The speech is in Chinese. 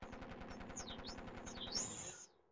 加拿大一直是亚裔拉丁美洲移民的热门目的地。